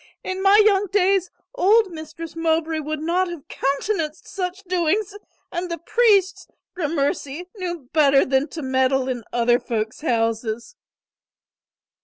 In my young days old Mistress Mowbray would not have countenanced such doings and the priests, gramercy, knew better than to meddle in other folk's houses."